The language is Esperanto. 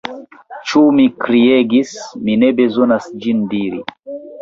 Ĉu mi kriegis, mi ne bezonas ĝin diri.